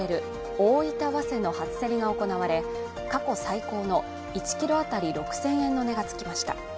おおいた早生の初競りが行われ過去最高の１ｋｇ当たり６０００円の値がつきました。